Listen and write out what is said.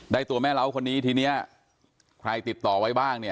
ตัวแม่เล้าคนนี้ทีนี้ใครติดต่อไว้บ้างเนี่ย